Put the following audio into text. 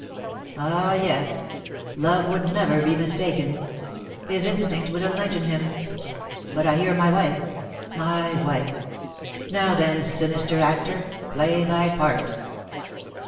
Ah, yes, love would never be mistaken; his instinct would enlighten him. But I hear my wife, my wife! Now, then, sinister actor, play thy part."